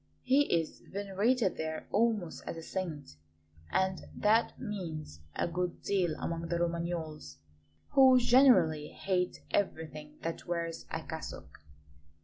He is venerated there almost as a saint; and that means a good deal among the Romagnols, who generally hate everything that wears a cassock.